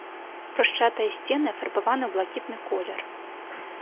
Брусчатыя сцены афарбаваны ў блакітны колер.